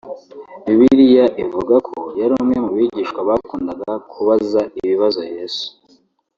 Bibiliya ivuga ko yari umwe mu bigishwa bakundaga kubaza ibibazo Yesu